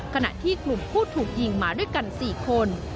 ขณะที่กลุ่มผู้ถูกยิงมาด้วยกัน๔คน